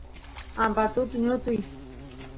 ampatut ñutuy